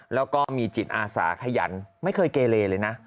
แล้วก็มีจิตอาสาขยันไม่เคยเกเลเลยนะ